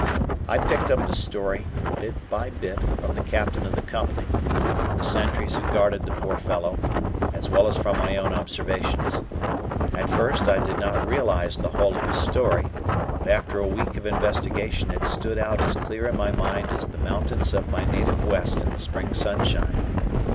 I picked up the story, bit by bit, from the Captain of the Company, the sentries who guarded the poor fellow, as well as from my own observations. At first I did not realize the whole of his story, but after a week of investigation it stood out as clear in my mind as the mountains of my native West in the spring sunshine.